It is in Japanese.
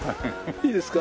いいですか？